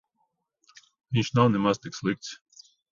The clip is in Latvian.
Viņš nav nemaz tik slikts.